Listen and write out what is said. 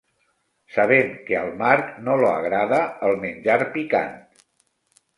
Sabem que al Mark no lo agrada el menjar picant.